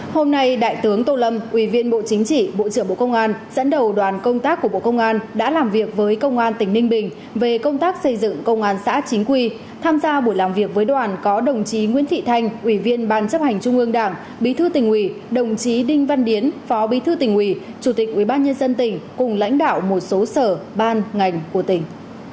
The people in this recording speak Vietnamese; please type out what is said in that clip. hôm nay đại tướng tô lâm ủy viên bộ chính trị bộ trưởng bộ công an dẫn đầu đoàn công tác của bộ công an đã làm việc với công an tỉnh ninh bình về công tác xây dựng công an xã chính quy tham gia buổi làm việc với đoàn có đồng chí nguyễn thị thanh ủy viên ban chấp hành trung ương đảng bí thư tỉnh ủy đồng chí đinh văn điến phó bí thư tỉnh ủy chủ tịch ubnd tỉnh cùng lãnh đạo một số sở ban ngành của tỉnh